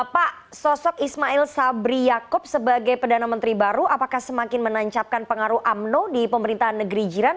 pak sosok ismail sabri yaakob sebagai perdana menteri baru apakah semakin menancapkan pengaruh umno di pemerintahan negeri jiran